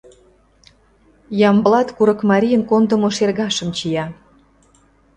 Ямблат курыкмарийын кондымо шергашым чия.